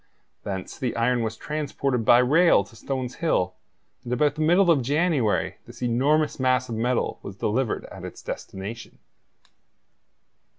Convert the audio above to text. Thence the iron was transported by rail to Stones Hill, and about the middle of January this enormous mass of metal was delivered at its destination.